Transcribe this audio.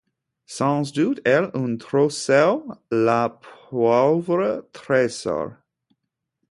Sans doute elle a un trousseau, le pauvre trésor.